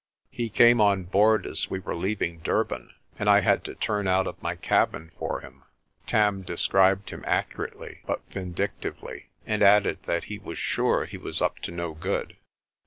He came on board as we were leaving Durban, and I had to turn out of my cabin for him." Tarn de scribed him accurately but vindictively, and added that "he was sure he was up to no good."